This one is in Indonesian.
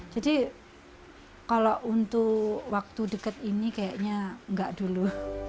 jadi kalau untuk waktu deket ini kayaknya enggak dulu